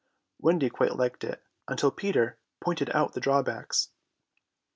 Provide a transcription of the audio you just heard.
Wendy quite liked it, until Peter pointed out the drawbacks.